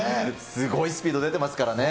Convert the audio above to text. すごいスピード出てますからね。